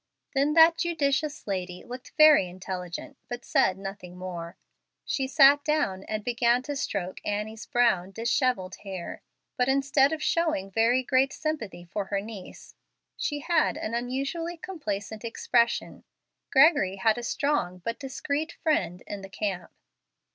Then that judicious lady looked very intelligent, but said nothing more. She sat down and began to stroke Annie's brown, dishevelled hair. But instead of showing very great sympathy for her niece, she had an unusually complacent expression. Gregory had a strong but discreet friend in the camp.